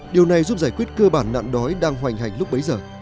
điều này giúp giải quyết cơ bản nạn đói đang hoành hành lúc bấy giờ